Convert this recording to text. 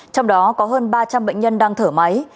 trong đó có hơn ba trăm linh bệnh nhân đang thở máy